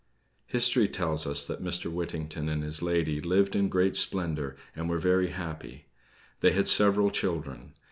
History tells us that Mr. Whittington and his lady lived in great splendor, and were very happy. They had several children.